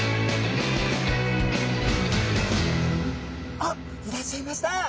あっいらっしゃいました。